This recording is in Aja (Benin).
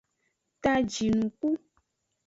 Ta jinuku.